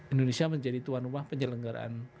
indonesia menjadi tuan rumah penyelenggaraan